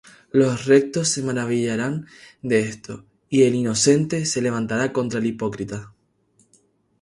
Los rectos se maravillarán de esto, Y el inocente se levantará contra el hipócrita.